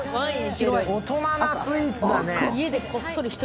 大人なスイーツだね。